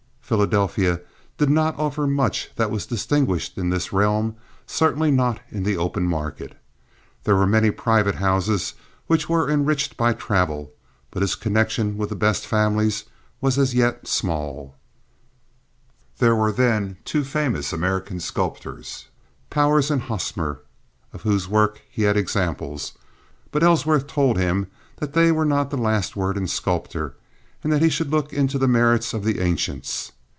Philadelphia did not offer much that was distinguished in this realm—certainly not in the open market. There were many private houses which were enriched by travel; but his connection with the best families was as yet small. There were then two famous American sculptors, Powers and Hosmer, of whose work he had examples; but Ellsworth told him that they were not the last word in sculpture and that he should look into the merits of the ancients.